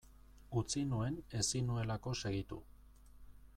Utzi nuen ezin nuelako segitu.